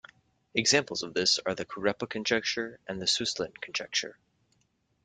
Examples of this are the Kurepa conjecture and the Suslin conjecture.